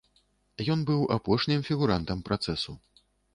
Ён быў апошнім фігурантам працэсу.